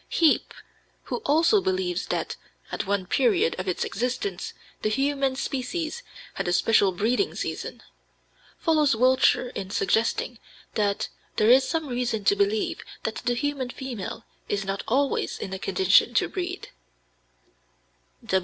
Heape, who also believes that "at one period of its existence the human species had a special breeding season," follows Wiltshire in suggesting that "there is some reason to believe that the human female is not always in a condition to breed."